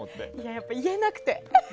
やっぱり言えなくて。